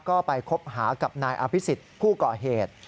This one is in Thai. ก็ไปคบหากับนายอภิษฎผู้ก่อเหตุ